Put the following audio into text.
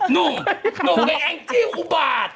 หนุ่มหนุ่มไอ้แอ้งจิ้วอุบาท